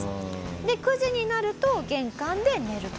で９時になると玄関で寝ると。